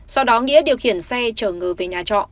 sau đó nghĩa điều khiển xe chở người về nhà trọ